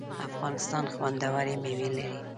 افغانستان خوندوری میوی لري